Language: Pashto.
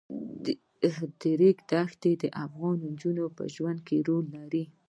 د ریګ دښتې د افغان ښځو په ژوند کې رول لري.